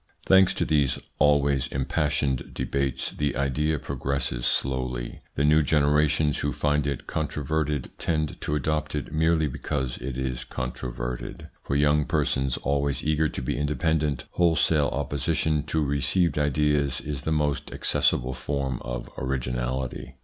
Thanks to these always impassioned debates, the idea progresses slowly. The new generations who find it controverted tend to adopt it merely because it is controverted. For young persons, always eager to be independent, wholesale opposition to received ideas is the most accessible form of originality.